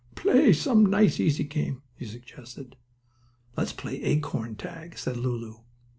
"Play some nice, easy game," he suggested. "Let's play acorn tag," said Lulu.